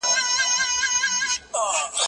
زه اجازه لرم چي چپنه پاک کړم!.